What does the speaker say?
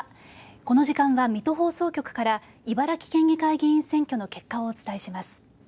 この時間は、水戸放送局から茨城県議会議員選挙の結果をお伝えします。